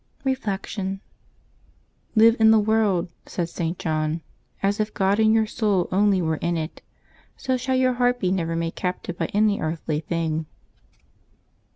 Reflection. —" Live in the world," said .St. John, " as if God and your soul only were in it ; so shall your heart be never made captive by any earthly thing.''